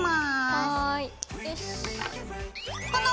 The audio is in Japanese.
はい。